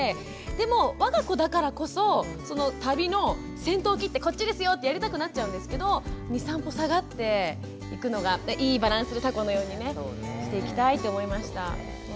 でもわが子だからこそ旅の先頭を切って「こっちですよ」ってやりたくなっちゃうんですけど２３歩下がっていくのがいいバランスのたこのようにねしていきたいと思いました。